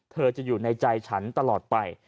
เธอจะอยู่ในใจฉันตลอดไป